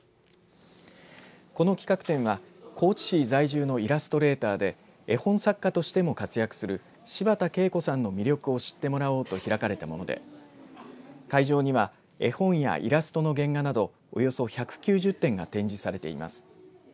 この企画展は高知市在住のイラストレーターで絵本作家としても活躍する柴田ケイコさんの魅力を知ってもらおうと開かれたもので会場には絵本やイラストの原画などおよそ１９０点が展示されています。